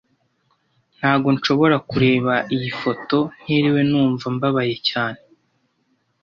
Ntago nshobora kureba iyi foto ntiriwe numva mbabaye cyane